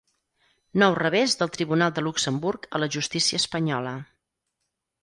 Nou revés del Tribunal de Luxemburg a la justícia espanyola.